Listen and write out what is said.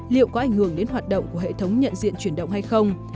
liệu có ảnh hưởng đến hoạt động của hệ thống nhận diện chuyển động hay không